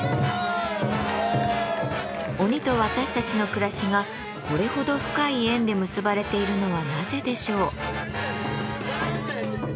鬼と私たちの暮らしがこれほど深い縁で結ばれているのはなぜでしょう。